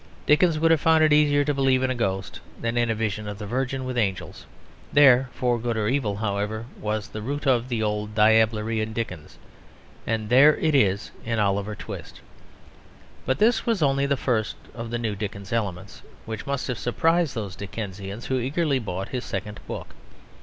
Dickens would have found it easier to believe in a ghost than in a vision of the Virgin with angels. There, for good or evil, however, was the root of the old diablerie in Dickens, and there it is in Oliver Twist. But this was only the first of the new Dickens elements, which must have surprised those Dickensians who eagerly bought his second book.